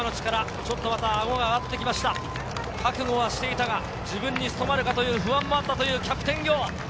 覚悟はしていたが自分に務まるかという不安もあったというキャプテン業。